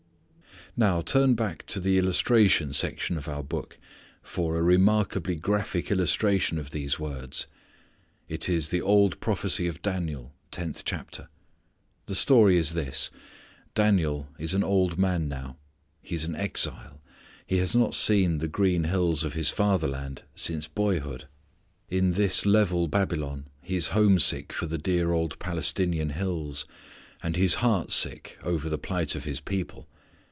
Now turn back to the illustration section of our Book for a remarkably graphic illustration of these words. It is in the old prophecy of Daniel, tenth chapter. The story is this: Daniel is an old man now. He is an exile. He has not seen the green hills of his fatherland since boyhood. In this level Babylon, he is homesick for the dear old Palestinian hills, and he is heartsick over the plight of his people.